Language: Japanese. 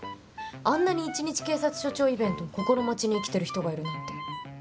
あんなに１日警察署長イベントを心待ちに生きてる人がいるなんて。